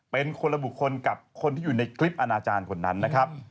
เป็นคนละบุคคลกับคนที่อยู่ในคลิปอนาจารย์คนนั้นนะครับ